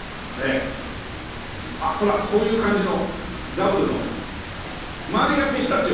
あっほらこういう感じのダブルの周りがピスタチオ？